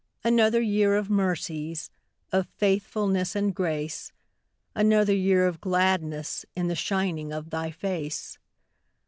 Another year of mercies, Of faithfulness and grace; Another year of gladness In the shining of Thy face.